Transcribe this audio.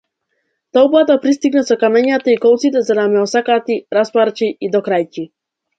Толпата пристига со камењата и колците за да ме осакати, распарчи и докрајчи.